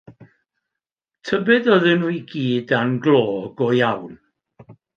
Tybed oedden nhw i gyd dan glo go iawn?